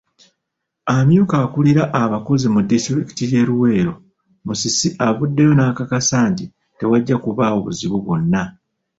Amyuka akulira abakozi mu disitulikiti y'e Luweero, Musisi avuddeyo n'akakasa nti tewajja kubaawo buzibu bwonna.